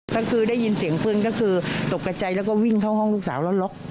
ก็คือได้ยินเสียงปืนก็คือตกกระใจแล้วก็วิ่งเข้าห้องลูกสาวแล้วล็อก